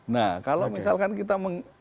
nah kalau misalkan kita